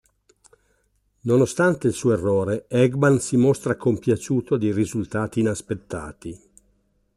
Nonostante il suo errore, Eggman si mostra compiaciuto dei risultati inaspettati.